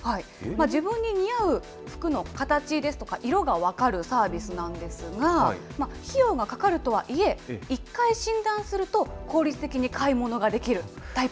自分に似合う服の形ですとか、色が分かるサービスなんですが、費用がかかるとはいえ、１回診断すると、効率的に買い物ができる。